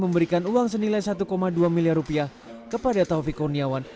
memberikan uang senilai satu dua miliar rupiah kepada taufik kurniawan